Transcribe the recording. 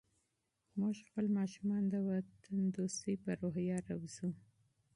موږ خپل ماشومان د وطن دوستۍ په روحیه روزو.